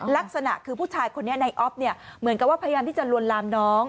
ลักษณะคือผู้ชายคนนี้ในออฟเนี่ยเหมือนกับว่าพยายามที่จะลวนลามน้อง